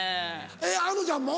えっあのちゃんも？